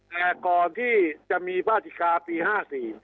แต่ก่อนที่จะมีพลาติกาปี๕๔